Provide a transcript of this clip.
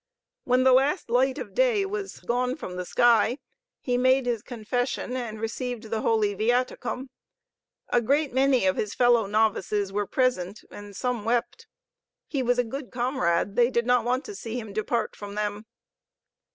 When the last light of day was gone from the sky, he made his confession and received the Holy Viaticum. A great many of his fellow novices were present, and some wept. He was a good comrade, they did not want to see him depart from them.